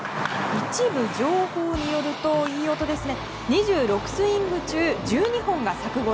一部情報によると２６スイング中１２本が柵越え。